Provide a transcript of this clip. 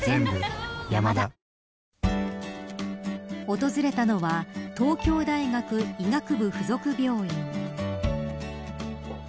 訪れたのは東京大学医学部附属病院。